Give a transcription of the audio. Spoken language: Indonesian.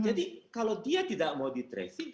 jadi kalau dia tidak mau di tracing